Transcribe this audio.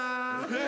え！